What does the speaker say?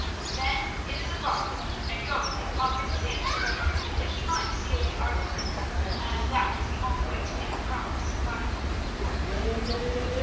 "Then it is a bargain!" and Jörgli offered his hand to Moni, that he might seal the argument, as that was the only way to make a promise binding.